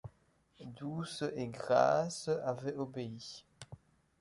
Douce et Grâce avaient obéi.